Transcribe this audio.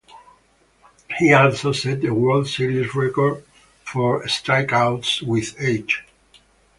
He also set a World Series record for strikeouts with eight.